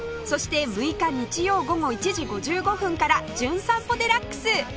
そして６日日曜午後１時５５分から『じゅん散歩デラックス』！